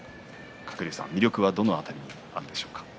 鶴竜さん、魅力はどの辺りにあるでしょうか。